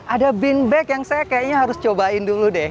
ada beanbag yang saya kayaknya harus cobain dulu deh